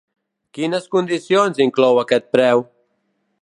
Quines condicions inclou aquest preu?